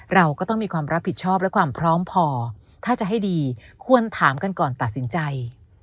เราก็ต้องมีความรับผิดชอบและความพร้อมพอถ้าจะให้ดีควรถามกันก่อนตัดสินใจ